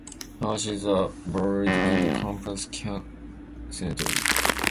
Her ashes are buried in the campus cemetery.